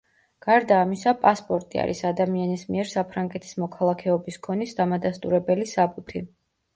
გარდა ამისა, პასპორტი არის ადამიანის მიერ საფრანგეთის მოქალაქეობის ქონის დამადასტურებელი საბუთი.